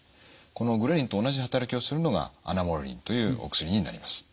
このグレリンと同じ働きをするのがアナモレリンというお薬になります。